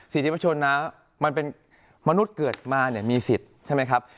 สิทธิประชนนะมันเป็นมนุษย์เกิดมาเนี่ยมีสิทธิ์ใช่ไหมครับ